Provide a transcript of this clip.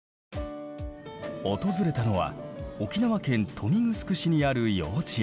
訪れたのは沖縄県豊見城市にある幼稚園。